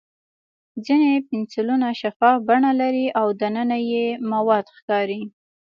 ځینې پنسلونه شفاف بڼه لري او دننه یې مواد ښکاري.